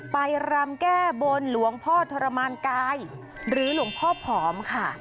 รำแก้บนหลวงพ่อทรมานกายหรือหลวงพ่อผอมค่ะ